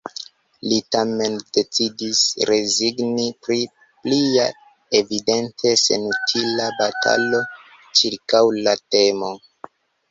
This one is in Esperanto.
Li tamen decidis rezigni pri plia, evidente senutila batalo ĉirkaŭ la temo.